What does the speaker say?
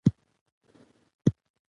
ولایتونه د افغانانو د معیشت یوه سرچینه ده.